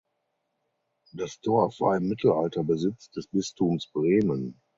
Das Dorf war im Mittelalter Besitz des Bistums Bremen.